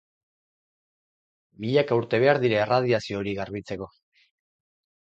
Milaka urte behar dira erradiazio hori garbitzeko.